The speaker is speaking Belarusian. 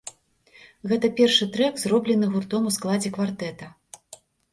Гэта першы трэк, зроблены гуртом у складзе квартэта.